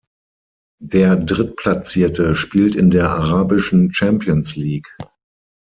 Der Drittplatzierte spielt in der arabischen Champions League.